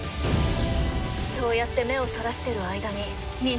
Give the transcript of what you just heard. そうやって目をそらしてる間にみんな死ぬんだよ。